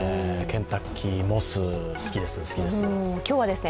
ケンタッキー、モス、好きです好きです。